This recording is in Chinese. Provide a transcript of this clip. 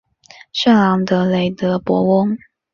圣昂德雷德博翁。